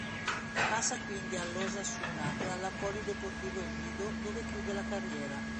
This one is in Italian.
Passa quindi all'Osasuna, e alla Polideportivo Ejido dove chiude la carriera.